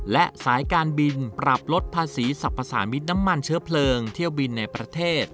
และสายการบินปรับลดภาษีสรรพสามิตรน้ำมันเชื้อเพลิงเที่ยวบินในประเทศ